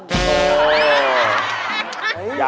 โอ้โหอยากกิน